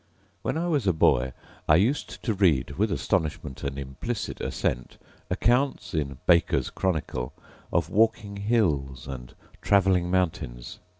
When I was a boy I used to read, with astonishment and implicit assent, accounts in Baker's Chronicle of walking hills and travelling mountains.